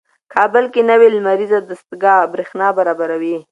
کابل کې نوې لمریزه دستګاه برېښنا برابروي.